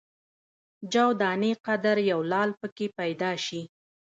جو دانې قدر یو لعل په کې پیدا شي.